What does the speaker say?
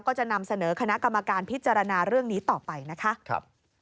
ก็จะนำเสนอคณะกรรมการพิจารณาเรื่องนี้ต่อไปนะคะ